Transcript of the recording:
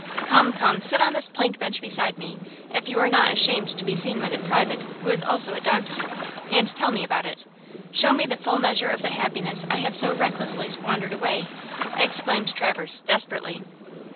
"Come, come, sit on this plank bench beside me–if you are not ashamed to be seen with a private who is also a donkey–and tell me all about it. Show me the full measure of the happiness I have so recklessly squandered away," exclaimed Traverse, desperately.